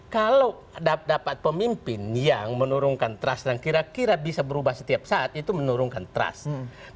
kalau dapat pemimpin yang menurunkan trust dan kira kira bisa berubah setiap saat itu menurunkan trust